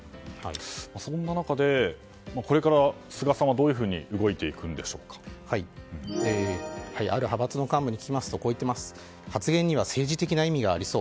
そんな中でこれから菅さんはどういうふうにある派閥の幹部に聞きますと発言には政治的な意味がありそう。